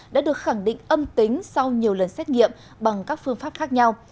đã được khẳng định âm tính sau nhiều lần xét nghiệm bằng các phương pháp khác nhau